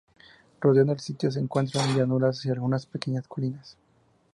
Rodeando al sitio se encuentran llanuras y algunas pequeñas colinas.